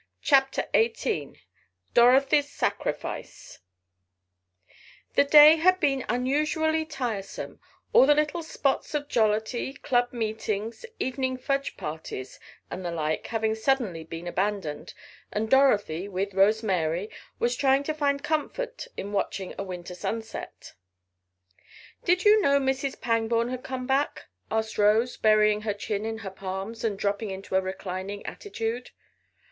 CHAPTER XVIII DOROTHY'S SACRIFICE The day had been unusually tiresome, all the little spots of jollity, club meetings, evening fudge parties and the like having suddenly been abandoned, and Dorothy, with Rose Mary, was trying to find comfort in watching a winter sunset. "Did you know Mrs. Pangborn had come back?" asked Rose, burying her chin in her palms, and dropping into a reclining attitude.